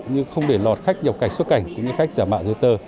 như không để lọt khách vào cảnh xuất cảnh cũng như khách giả mạng giấy tờ